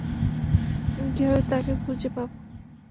আমরা কীভাবে তাকে খুঁজে পাব?